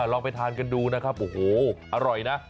ลองไปทานกันดูนะครับโอ้โหอร่อยนะ